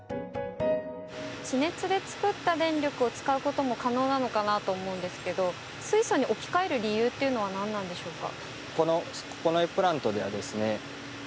地熱で作った電力を使うことも可能なのかなとも思うんですけど水素に置き換える理由というのは何なんでしょうか？